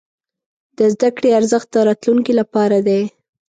د زده کړې ارزښت د راتلونکي لپاره دی.